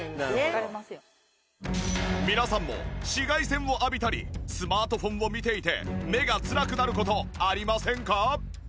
皆さんも紫外線を浴びたりスマートフォンを見ていて目がつらくなる事ありませんか？